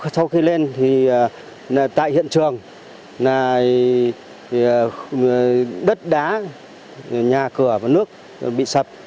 sau khi lên thì tại hiện trường là đất đá nhà cửa và nước bị sập